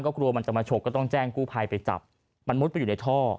กลัวมันจะมาฉกก็ต้องแจ้งกู้ภัยไปจับมันมุดไปอยู่ในท่อ